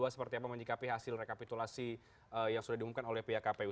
seperti apa menyikapi hasil rekapitulasi yang sudah diumumkan oleh pihak kpu